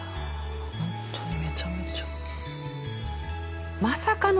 ホントにめちゃめちゃ。